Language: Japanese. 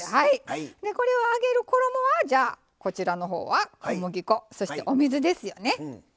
これを揚げる衣はじゃあこちらの方は小麦粉そしてお水ですよね。